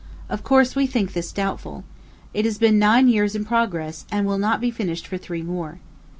Of course, we think this doubtful. It has been nine years in progress, and will not be finished for three more.